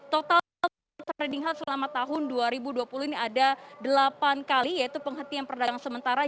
total trading health selama tahun dua ribu dua puluh ini ada delapan kali yaitu penghentian perdagangan sementara